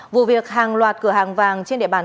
vụ việc hàng loạt cửa hàng vàng trên địa bàn